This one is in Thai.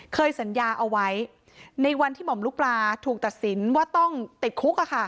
เคยสัญญาเอาไว้ในวันที่หม่อมลูกปลาถูกตัดสินว่าต้องติดคุก